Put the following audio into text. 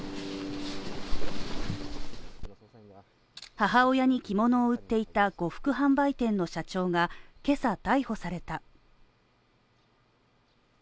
母親に着物を売っていた呉服販売店の社長が今朝逮捕された。